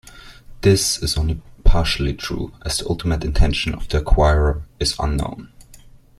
This is only partially true as the ultimate intention of the acquirer is unknown.